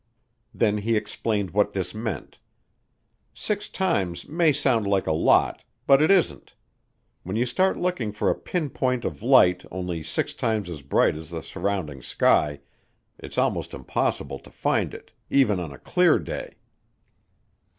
Then he explained what this meant. Six times may sound like a lot, but it isn't. When you start looking for a pinpoint of light only six times as bright as the surrounding sky, it's almost impossible to find it, even on a clear day.